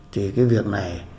thì cái việc này